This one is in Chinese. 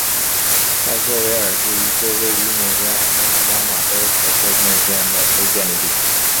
派克维尔是一个位于美国阿拉巴马州杰克逊县的非建制地区。